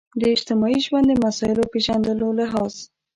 د اجتماعي ژوند د مسایلو پېژندلو لحاظ.